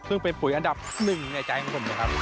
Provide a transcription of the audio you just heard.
ซึ่งเป็นปุ๋ยอันดับหนึ่งในใจของผมเลยครับ